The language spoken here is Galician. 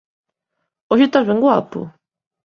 Hoxe estás ben guapo!